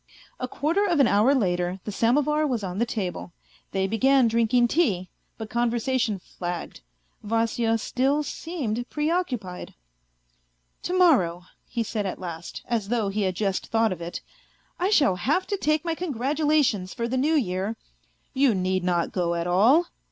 A quarter of an hour later the samovar was on the table. They began drinking tea, but conversation flagged. Vasya still seemed preoccupied. " To morrow," he said at last, as though he had just thought of it, "I shall have to take my congratulations for the New Year ..."" You need not go at all."